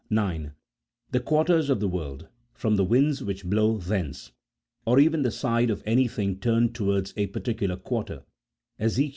(9.) The quarters of the world (from the winds which blow thence), or even the side of any tiling turned towards a particular quarter — Ezek.